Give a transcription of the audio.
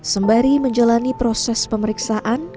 sembari menjalani proses pemeriksaan